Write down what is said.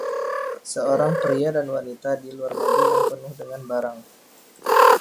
Seorang pria dan wanita di luar mobil yang penuh dengan barang.